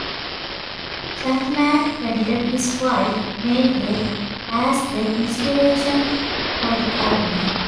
Chapman credited his wife, Mary Beth, as the inspiration for the album.